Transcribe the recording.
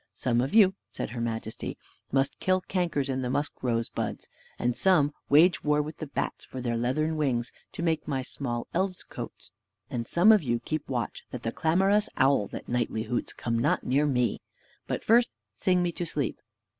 "Some of you," said her majesty, "must kill cankers in the musk rose buds, and some wage war with the bats for their leathern wings, to make my small elves coats; and some of you keep watch that the clamorous owl, that nightly hoots, come not near me: but first sing me to sleep.